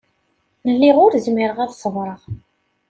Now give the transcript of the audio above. Lliɣ ur zmireɣ ad ṣebreɣ.